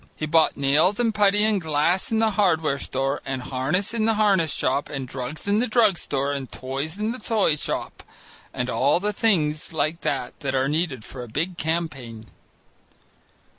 He bought nails and putty and glass in the hardware store, and harness in the harness shop, and drugs in the drug store and toys in the toy shop, and all the things like that that are needed for a big campaign.